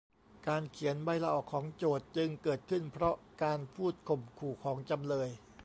การเขียนใบลาออกของโจทก์จึงเกิดขึ้นเพราะการพูดข่มขู่ของจำเลย